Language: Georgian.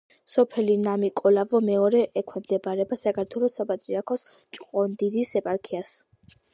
სოფელი ნამიკოლავო მეორე ექვემდებარება საქართველოს საპატრიარქოს ჭყონდიდის ეპარქიას.